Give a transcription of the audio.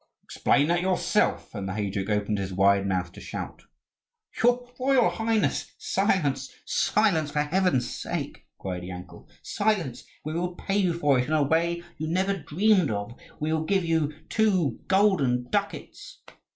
"Explain that yourself." And the heyduke opened his wide mouth to shout. "Your royal highness, silence, silence, for heaven's sake!" cried Yankel. "Silence! we will pay you for it in a way you never dreamed of: we will give you two golden ducats."